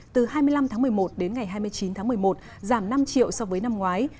từ hai mươi năm tháng một mươi một đến ngày hai mươi chín tháng một mươi một giảm năm triệu so với năm ngoái